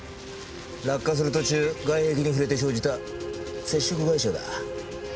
落下する途中外壁に触れて生じた接触外傷だ。